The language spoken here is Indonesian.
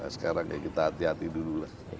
sekarang ya kita hati hati dulu lah